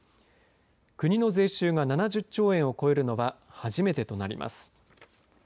国の税収が７０兆円を超えるのは初めてとなります。